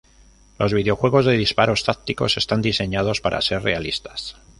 Los videojuegos de disparos tácticos están diseñados para ser realistas.